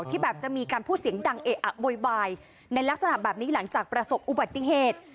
ที่แบบจะมีการพูดเสียงดังเอะอะโวยวายในลักษณะแบบนี้หลังจากประสบอุบัติเหตุ